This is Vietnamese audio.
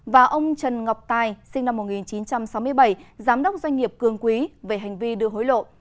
và ông trần ngọc tài sinh năm một nghìn chín trăm sáu mươi bảy giám đốc doanh nghiệp cường quý về hành vi đưa hối lộ